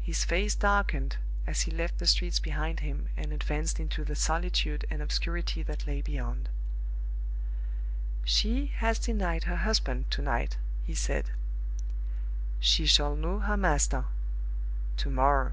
His face darkened as he left the streets behind him and advanced into the solitude and obscurity that lay beyond. "She has denied her husband to night," he said. "She shall know her master to morrow."